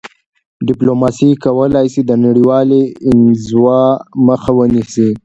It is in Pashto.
ډیپلوماسي کولای سي د نړیوالي انزوا مخه ونیسي..